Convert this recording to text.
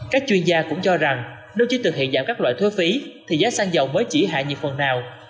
các chuyên gia cũng cho rằng nếu chỉ thực hiện giảm các loại thuế phí thì giá xăng dầu mới chỉ hạ nhiệt phần nào